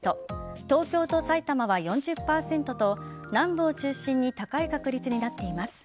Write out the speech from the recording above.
東京と埼玉は４０％と南部を中心に高い確率になっています。